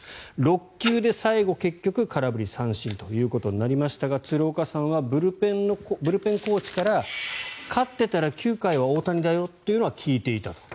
６球で最後、結局空振り三振ということになりましたが鶴岡さんはブルペンコーチから勝ってたら９回は大谷だよというのは聞いていたと。